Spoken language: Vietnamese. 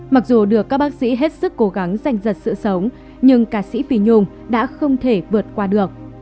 mặc dù được các bác sĩ hết sức cố gắng giành giật sự sống nhưng ca sĩ pì nhung đã không thể vượt qua được